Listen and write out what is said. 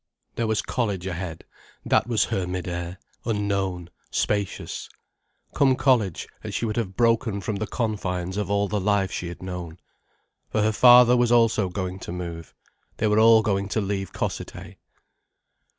There was college ahead; that was her mid air, unknown, spacious. Come college, and she would have broken from the confines of all the life she had known. For her father was also going to move. They were all going to leave Cossethay.